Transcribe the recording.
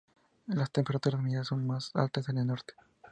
Las temperaturas medias son más altas en el norte.